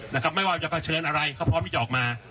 นะครับไม่ว่าจะเผชิญอะไรเขาพร้อมที่จะออกมา